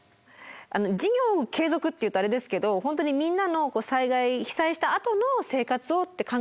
事業継続っていうとあれですけど本当にみんなの被災したあとの生活をって考えておくのって